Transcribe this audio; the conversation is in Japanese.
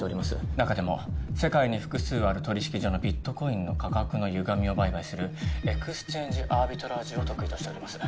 なかでも世界に複数ある取引所のビットコインの価格のゆがみを売買するエクスチェーンジ・アービトラージを得意としております。